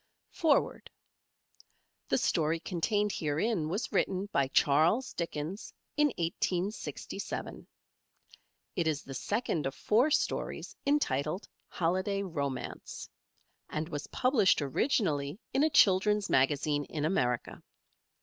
FOREWORD The story contained herein was written by Charles Dickens in 1867. It is the first of four stories entitled "Holiday Romance" and was published originally in a children's magazine in America.